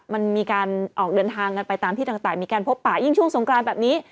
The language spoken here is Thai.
มันมีการออกเดินทางกันไปตามที่ต่างมีการพบป่ายิ่งช่วงสงกรานแบบนี้